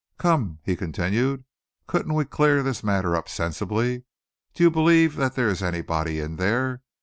"Come," he continued, "couldn't we clear this matter up sensibly? Do you believe that there is anybody in there?